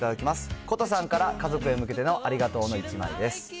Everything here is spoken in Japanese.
ことさんから家族へ向けてのありがとうの１枚です。